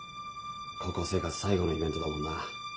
高校生活最後のイベントだもんな？